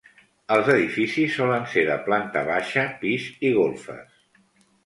Els edificis solen ser de planta baixa, pis i golfes.